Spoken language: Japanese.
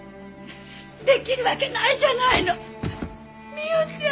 出来るわけないじゃないの！